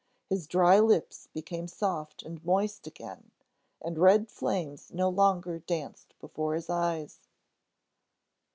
His dry lips became soft and moist again, and red flames no longer danced before his eyes.